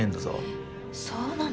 えっそうなの？